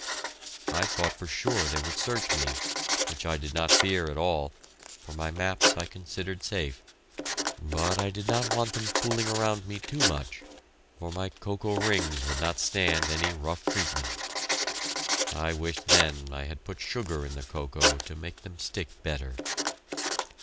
I thought for sure they would search me, which I did not fear at all, for my maps I considered safe, but I did not want them fooling around me too much, for my cocoa rings would not stand any rough treatment. I wished then I had put sugar in the cocoa to make them stick better.